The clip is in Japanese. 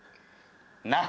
なっ。